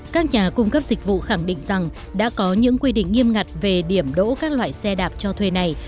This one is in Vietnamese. các nhà cung cấp dịch vụ khẳng định rằng đã có những quy định nghiêm ngặt về điểm đỗ các loại xe đạp cho thuê này